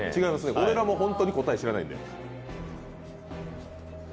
俺らも本当に答え知らないんで。